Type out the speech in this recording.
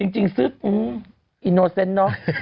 จริงซึ่งอืมมอิโนะเซนเนาะ